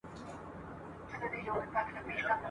درې څلور ځله یې لیري کړ له کلي !.